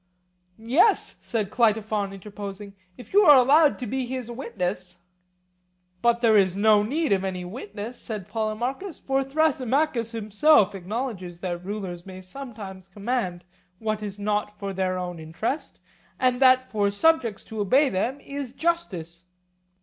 Yes, said Cleitophon, interposing, if you are allowed to be his witness. But there is no need of any witness, said Polemarchus, for Thrasymachus himself acknowledges that rulers may sometimes command what is not for their own interest, and that for subjects to obey them is justice.